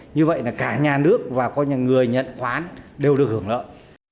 như vậy là cả nhà nước và con người nhận khoán đều được hưởng lợi